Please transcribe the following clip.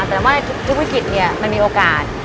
แต่ว่าทุกวิกฤตเนี่ยมันมีโอกาส